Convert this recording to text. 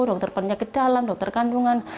dokter penyakit dalam dokter kandungan